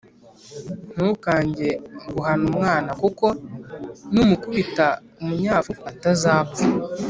ntukange guhana umwana, kuko numukubita umunyafu atazapfa